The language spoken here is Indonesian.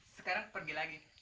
sekarang pergi lagi